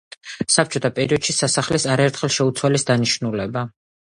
საბჭოთა პერიოდში სასახლეს არაერთხელ შეუცვალეს დანიშნულება.